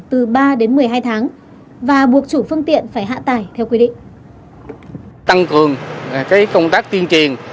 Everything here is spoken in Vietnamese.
từ ba đến một mươi hai tháng và buộc chủ phương tiện phải hạ tải theo quy định tăng cường công tác tiên triền